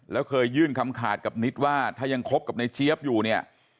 แล้วเคยยื่นคำขาดกับนิดว่าถ้ายังคบกับในเจี๊ยบอยู่เนี่ย